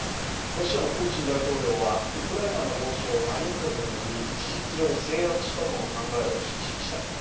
ロシアのプーチン大統領は、ウクライナの要衝、マリウポリを巡り事実上、制圧したとの考えを示しました。